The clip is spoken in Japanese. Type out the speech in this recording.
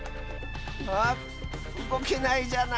あっうごけないじゃない。